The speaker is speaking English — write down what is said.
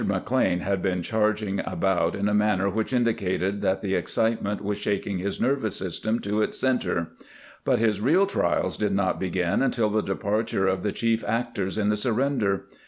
McLean had been charging about in a manner which indicated that the excitement was shaking his nervous system to its center ; but his real trials did not begin until the departure of the chief actors in the surrender.